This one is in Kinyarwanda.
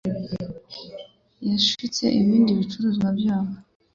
yashutse ibindi bicucu byabo